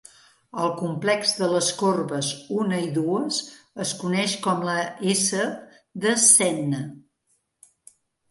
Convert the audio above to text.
El complex de les corbes una i dues es coneix com a la "S" de Senna.